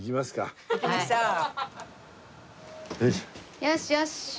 よしよし。